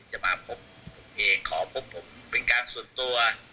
จะมาพบผมเองขอพบผมเป็นการส่วนตัว